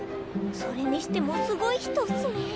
それにしてもすごい人っすねえ。